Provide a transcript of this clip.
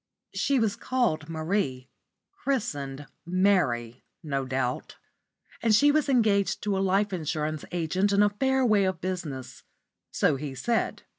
She was called Marie christened Mary no doubt and she was engaged to a life insurance agent in a fair way of business so he said.